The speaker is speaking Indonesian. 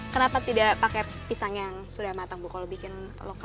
kenapa tidak pakai pisang yang sudah matang bu kalau bikin loka